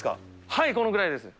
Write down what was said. はい、このぐらいです。